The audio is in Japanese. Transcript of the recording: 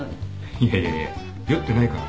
いやいやいや酔ってないから。